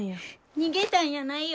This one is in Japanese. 逃げたんやないよ！